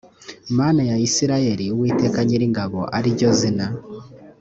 mana ya isirayeli uwiteka nyiringabo ari ryo zina